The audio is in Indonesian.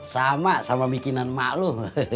sama sama bikinan emak lu